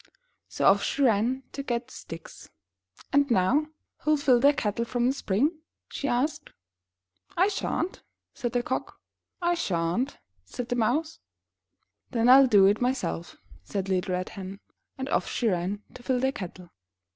So off she ran to get the sticks. ''And now, who'll fill the kettle from the spring?" she asked. "I shan't," said the Cock. <;;^^ "I shan't," said the Mouse. 'Then I'll do it myself," said the little Red Hen. And off she ran to fill the kettle.